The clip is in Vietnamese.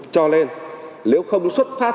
cho lên nếu không xuất phát